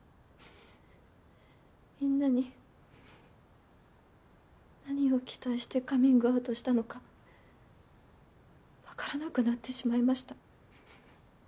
みんなに何を期待してカミングアウトしたのかわからなくなってしまいました。